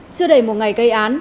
chưa đầy một ngày gây án